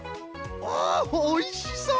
おおおいしそう！